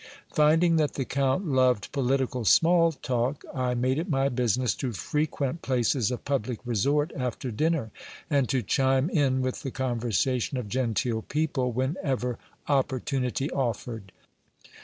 Finding that the count loved political small talk, I made it my business to frequent places of public resort after dinner, and to chime in with the conversa tion of genteel people whenever opportunity offered.